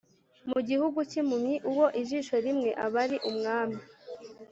Mu gihugu cy’impumyi uwo ijisho rimwe aba ari umwami.